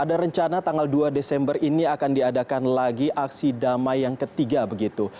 karena tanggal dua desember ini akan diadakan lagi aksi damai yang ketiga begitu